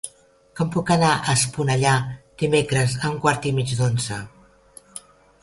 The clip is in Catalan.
Com puc anar a Esponellà dimecres a un quart i mig d'onze?